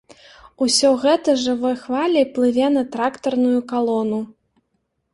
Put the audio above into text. Усё гэта жывой хваляй плыве на трактарную калону.